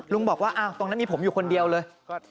ลุงบอกว่าตรงนั้นมีผมอยู่คนเดียวเลย